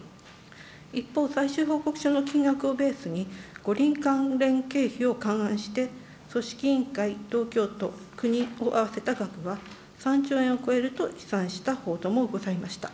一方、最終報告書の金額をベースに、五輪関連経費を勘案して、組織委員会、東京都、国と合わせた額は３兆円を超えると試算した報道もございました。